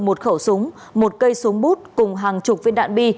một khẩu súng một cây súng bút cùng hàng chục viên đạn bi